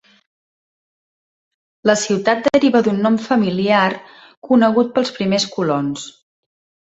La ciutat deriva d'un nom familiar conegut pels primers colons.